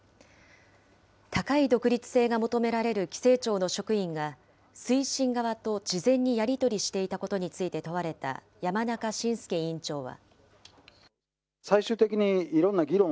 高い独立性が求められる規制庁の職員が、推進側と事前にやり取りしていたことについて問われた山中伸介委員長は。